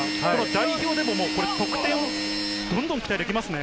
代表でも得点をどんどんど期待できますね。